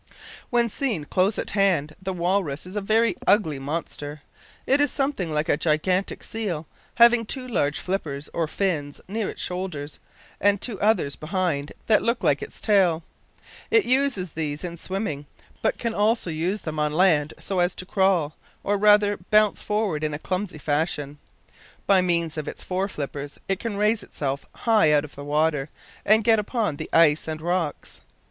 When seen close at hand the walrus is a very ugly monster. It is something like a gigantic seal, having two large flippers, or fins, near its shoulders, and two others behind, that look like its tail. It uses these in swimming, but can also use them on land, so as to crawl, or rather to bounce forward in a clumsy fashion. By means of its fore flippers it can raise itself high out of the water, and get upon the ice and rocks.